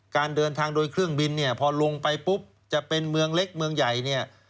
การเดินทางโดยเครื่องบินเนี่ยพอลงไปปุ๊บจะเป็นเมืองเล็กเมืองใหญ่เนี่ย